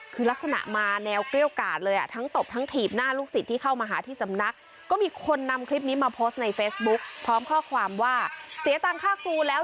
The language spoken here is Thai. คือลักษณะมาแนวเกลี้ยวการเลย